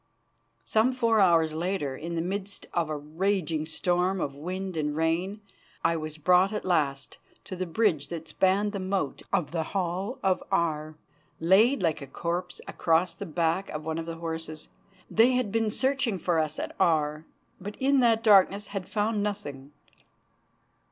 Some four hours later, in the midst of a raging storm of wind and rain, I was brought at last to the bridge that spanned the moat of the Hall of Aar, laid like a corpse across the back of one of the horses. They had been searching for us at Aar, but in that darkness had found nothing.